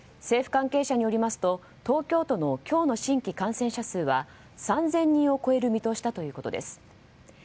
政府関係者によりますと東京都の今日の新規感染者数は３０００人を超える見通しだということです。